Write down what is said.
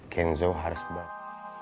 kenzo harus berjanji